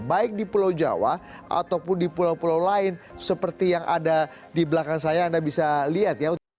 baik di pulau jawa ataupun di pulau pulau lain seperti yang ada di belakang saya anda bisa lihat ya